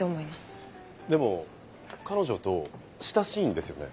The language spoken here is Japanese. でも彼女と親しいんですよね？